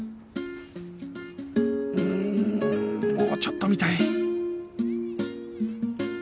うーんもうちょっと見たい